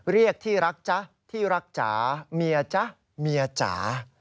เรียกที่รักจ๊ะที่รักจ๋าเมียจ๊ะเมียจ๋า